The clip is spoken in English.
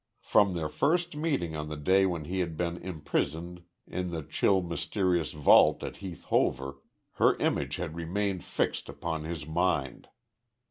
From their first meeting on the day when he had been imprisoned in the chill mysterious vault at Heath Hover, her image had remained fixed upon his mind.